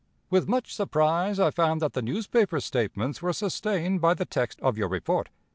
"With much surprise I found that the newspaper statements were sustained by the text of your report.